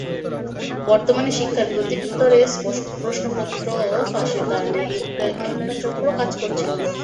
বর্তমানে শিক্ষার প্রতিটি স্তরে প্রশ্নপত্র ফাঁসের কারণে একট চক্র কাজ করছে।